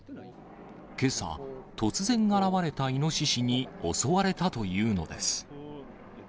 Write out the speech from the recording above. けさ、突然現れたイノシシに襲われたというのです。